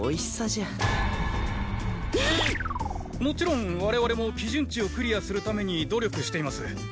もちろん我々も基準値をクリアするために努力しています。